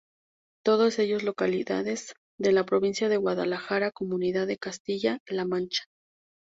Todos ellos localidades de la provincia de Guadalajara, comunidad de Castilla-La Mancha.